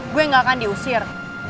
gue gak akan diusir